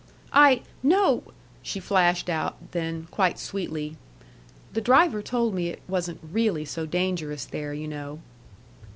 "I no!" she flashed out; then, quite sweetly, "The driver told me it wasn't REALLY so dangerous there, you know."